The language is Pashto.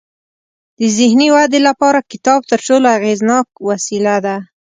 د ذهني ودې لپاره کتاب تر ټولو اغیزناک وسیله ده.